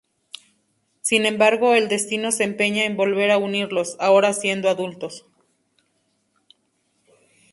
Sin embargo, el destino se empeña en volver a unirlos, ahora siendo adultos.